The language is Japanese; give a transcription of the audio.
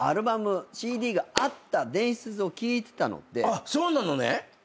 あっそうなのね！